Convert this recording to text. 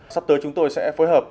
sắp tới chúng tôi sẽ phối hợp